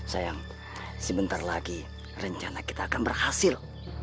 sayang sebentar lagi rencana kita akan berhasil